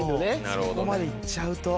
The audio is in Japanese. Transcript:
そこまで行っちゃうと。